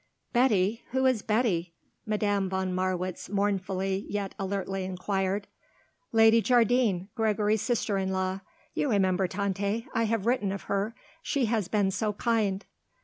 "Betty? Who is Betty?" Madame von Marwitz mournfully yet alertly inquired. "Lady Jardine, Gregory's sister in law. You remember, Tante, I have written of her. She has been so kind."